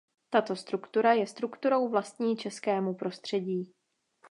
Tato struktura je strukturou vlastní českému prostředí.